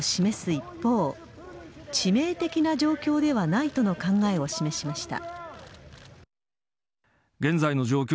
一方致命的な状況ではないとの考えを示しました。